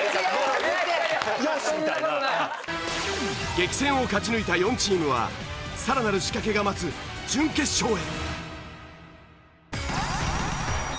激戦を勝ち抜いた４チームはさらなる仕掛けが待つ準決勝へ。